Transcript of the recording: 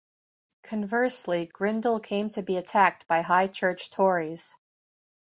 Conversely, Grindal came to be attacked by High Church Tories.